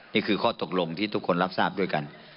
นี่คือข้อตกลงที่ทุกคนรับทราบด้วยกัน